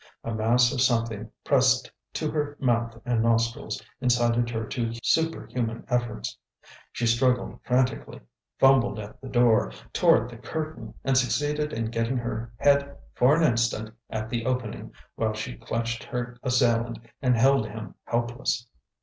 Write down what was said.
A mass of something, pressed to her mouth and nostrils, incited her to superhuman efforts. She struggled frantically, fumbled at the door, tore at the curtain, and succeeded in getting her head for an instant at the opening, while she clutched her assailant and held him helpless.